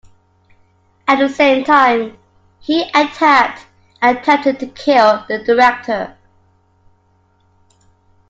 At the same time he attacked and attempted to kill the Director.